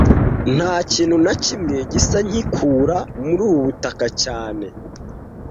Nta kintu na kimwe gisa nkikura muri ubu butaka cyane